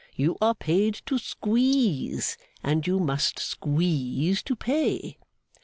You are paid to squeeze, and you must squeeze to pay.